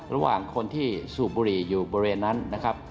ระหว่างคนที่สูบบุหรี่อยู่บริเวณนั้นนะครับ